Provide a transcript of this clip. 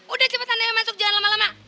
udah cepetan aja masuk jangan lama lama